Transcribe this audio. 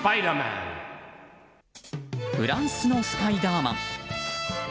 フランスのスパイダーマン。